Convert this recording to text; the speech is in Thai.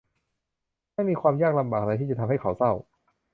ไม่มีความยากลำบากใดที่จะทำให้เขาเศร้า